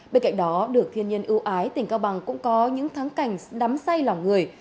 bên cạnh đó được thiên nhiên ưu ái tỉnh cao bằng cũng có những thắng cảnh đắm say lòng người